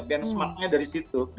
benchmarknya dari situ